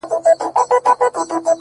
اوس سپوږمۍ نسته اوس رڼا نلرم-